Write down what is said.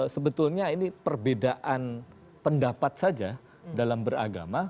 sebetulnya ini perbedaan pendapat saja dalam beragama